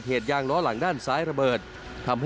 จอดอยู่ในสภาพด้านหน้าพังยับเดินเช่นกัน